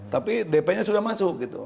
tapi dp nya sudah masuk gitu